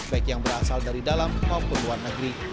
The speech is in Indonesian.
baik yang berasal dari dalam maupun luar negeri